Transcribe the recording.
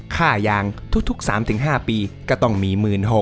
ค่ายางทุก๓๕ปีก็ต้องมี๑๖๐๐